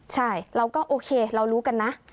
ใช่เราก็โอเคเรารู้กันนะ